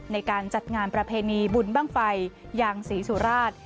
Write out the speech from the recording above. ในการจัดงานประเพณีบุญบ้างไฟยางศรีสุราช